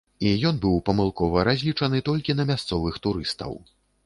І ён быў памылкова разлічаны толькі на мясцовых турыстаў.